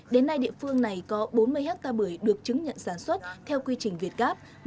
đến nay địa phương này có bốn mươi hectare bưởi được chứng nhận sản xuất theo quy trình việt gáp